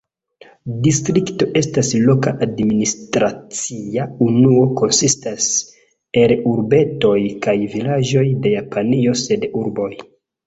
Distrikto estas loka administracia unuo konsistas el urbetoj kaj vilaĝoj de Japanio sed urboj.